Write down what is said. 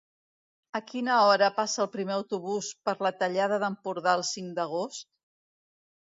A quina hora passa el primer autobús per la Tallada d'Empordà el cinc d'agost?